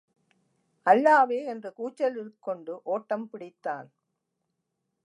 அல்லாவே என்று கூச்சலிட்டுக் கொண்டு ஓட்டம் பிடித்தான்.